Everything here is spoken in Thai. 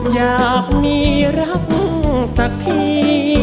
อยากมีรักสักที